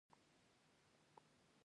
د هندواڼې دانه د څه لپاره وکاروم؟